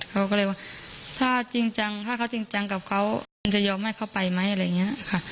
เขาก็เลยว่าถ้าจริงจังถ้าเขาจริงจังกับเขามันจะยอมให้เขาไปไหมอะไรอย่างนี้ค่ะ